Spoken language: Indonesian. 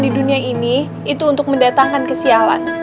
di dunia ini itu untuk mendatangkan kesialan